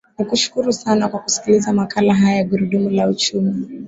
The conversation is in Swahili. nikushukuru sana kwa kusikiliza makala haya ya gurundumu la uchumi